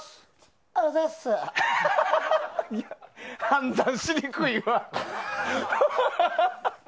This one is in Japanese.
判断しにくいわ。